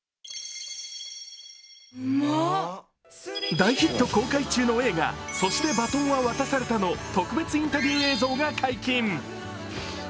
大ヒット公開中の映画、「そして、バトンは渡された」の特別インタビュー映像が解禁。